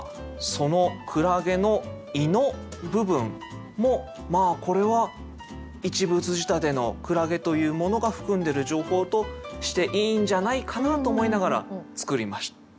その海月の胃の部分もこれは一物仕立ての海月というものが含んでる情報としていいんじゃないかなと思いながら作りました。